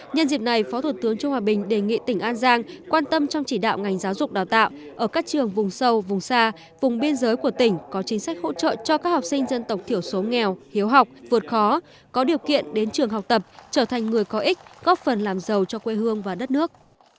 nhân dịp này phó thủ tướng trương hòa bình đề nghị tỉnh an giang quan tâm trong chỉ đạo ngành giáo dục đào tạo ở các trường vùng sâu vùng xa vùng biên giới của tỉnh có chính sách hỗ trợ cho các học sinh dân tộc thiểu số nghèo hiếu học vượt khó có điều kiện đến trường học tập trở thành người có ích góp phần làm giàu cho quê hương và đất nước